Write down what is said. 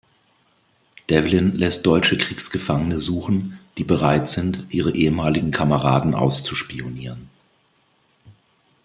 Devlin lässt deutsche Kriegsgefangene suchen, die bereit sind, ihre ehemaligen Kameraden auszuspionieren.